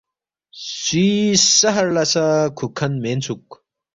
سُوی سحر لہ سہ کُھوک کھن مینسُوک